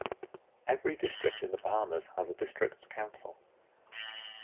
Every district in the Bahamas has a districts council.